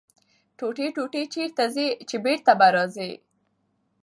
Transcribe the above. ـ ټوټې ټوټې چېرته ځې ،چې بېرته به راځې.